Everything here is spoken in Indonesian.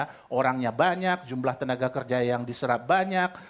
sekarangnya banyak jumlah tenaga kerja yang diserap banyak